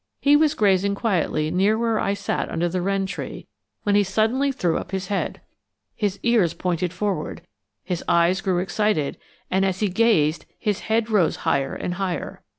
He was grazing quietly near where I sat under the wren tree, when he suddenly threw up his head. His ears pointed forward, his eyes grew excited, and as he gazed his head rose higher and higher.